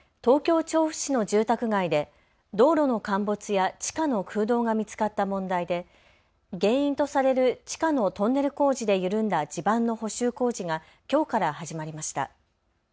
３年前、東京調布市の住宅街で道路の陥没や地下の空洞が見つかった問題で原因とされる地下のトンネル工事で緩んだ地盤の補修工事がきょうから始まりました。